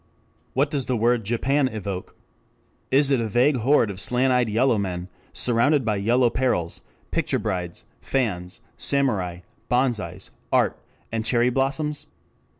What does the word "Japan" evoke? Is it a vague horde of slant eyed yellow men, surrounded by Yellow Perils, picture brides, fans, Samurai, banzais, art, and cherry blossoms?